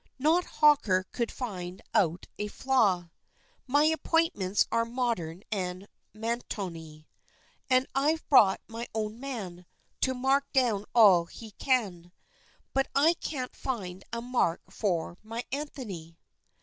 Not Hawker could find out a flaw, My appointments are modern and Mantony; And I've brought my own man, To mark down all he can, But I can't find a mark for my Anthony!